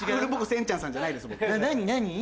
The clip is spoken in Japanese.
せんちゃんさんじゃないです僕。